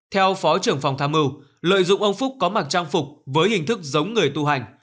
theo phó trưởng phòng tham mưu lợi dụng ông phúc có mặc trang phục với hình thức giống người tu hành